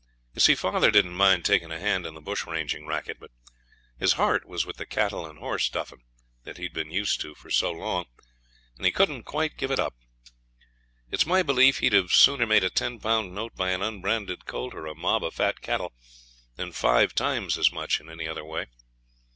You see father didn't mind taking a hand in the bush ranging racket, but his heart was with the cattle and horse duffing that he'd been used to so long, and he couldn't quite give it up. It's my belief he'd have sooner made a ten pound note by an unbranded colt or a mob of fat cattle than five times as much in any other way.